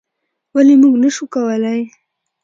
ولې موږ نشو کولی؟